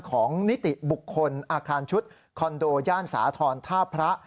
นิติบุคคลอาคารชุดคอนโดย่านสาธรณ์ท่าพระ